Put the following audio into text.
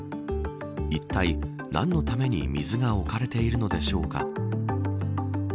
いったい何のために水が置かれているのでしょうか。